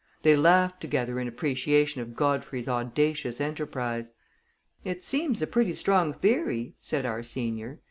They laughed together in appreciation of Godfrey's audacious enterprise. "It seems a pretty strong theory," said our senior.